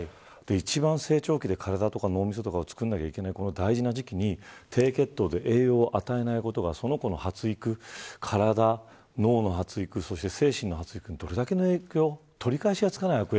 一番、成長期で体とか脳をつくらなきゃいけない大事な時期に低血糖で栄養を与えないことがその子の発育体、脳の発育、そして精神の発育にどれだけの影響を。